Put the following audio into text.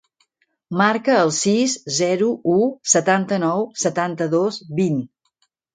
Marca el sis, zero, u, setanta-nou, setanta-dos, vint.